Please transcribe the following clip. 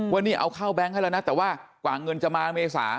ว่านี่เอาเข้าแบงค์ให้แล้วนะแต่ว่ากว่าเงินจะมาเมษา